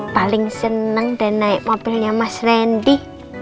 paling senang dan naik mobilnya mas randy